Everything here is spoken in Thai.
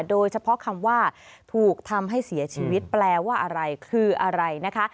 โดยเฉพาะคำว่าถูกทำให้เสียชีวิตแปลว่าอะไรคืออะไรนะคะ